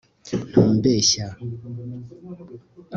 ntumbeshya